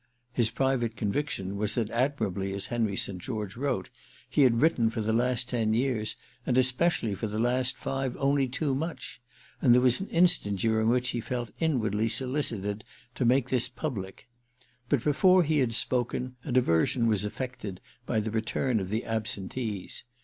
His private conviction was that, admirably as Henry St. George wrote, he had written for the last ten years, and especially for the last five, only too much, and there was an instant during which he felt inwardly solicited to make this public. But before he had spoken a diversion was effected by the return of the absentees.